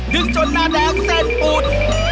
ดึงจนหน้าแดงเส้นปูด